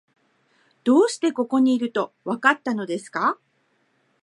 どうしてここにいると、わかったのですか？